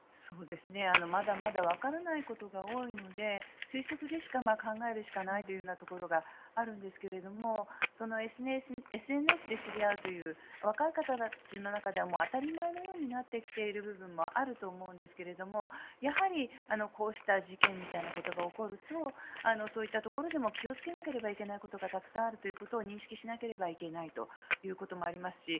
まだまだわからないことが多いので推測でしか、考えるしかないというところがあるんですがＳＮＳで知り合うという若い方たちの間では当たり前のようになってきている部分もあると思うんですがやはり、こうした事件みたいなことが起こるとそういったところでも気をつけなければいけないことがたくさんあるということを認識しなければいけないということもありますし